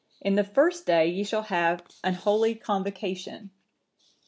In the first day ye shall have an holy convocation.